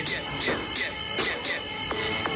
ต้องกินตาย